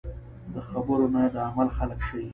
د خبرو نه د عمل خلک شئ .